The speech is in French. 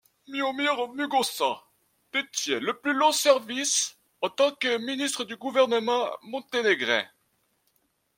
Miomir Mugoša détient le plus long service en tant que ministre du gouvernement monténégrin.